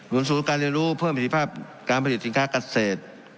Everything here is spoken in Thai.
ส่งสูตรการเรียนรู้เพิ่มอิทธิภาพการผลิตสินค้ากัศเศษ